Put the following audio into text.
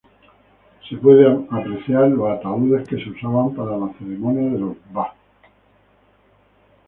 Se pueden apreciar los ataúdes que se usaban para las ceremonias de los Ba.